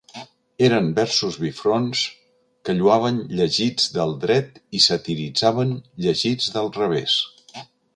Eren versos bifronts que lloaven llegits del dret i satiritzaven llegits del revés.